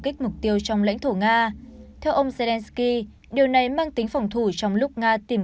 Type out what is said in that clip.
kích mục tiêu trong lãnh thổ nga theo ông zelenskyy điều này mang tính phòng thủ trong lúc nga tìm